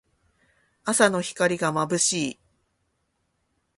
朝の光がまぶしい。